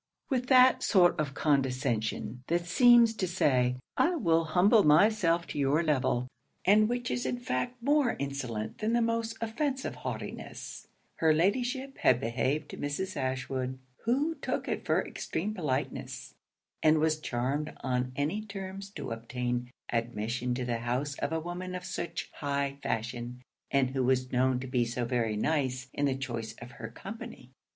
With that sort of condescension that seems to say, 'I will humble myself to your level,' and which is in fact more insolent than the most offensive haughtiness, her Ladyship had behaved to Mrs. Ashwood; who took it for extreme politeness, and was charmed on any terms to obtain admission to the house of a woman of such high fashion, and who was known to be so very nice in the choice of her company.